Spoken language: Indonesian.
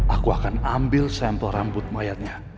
aku akan ambil sampel rambut mayatnya